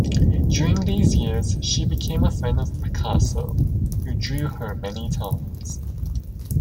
During these years she became a friend of Picasso, who drew her many times.